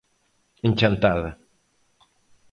En Chantada.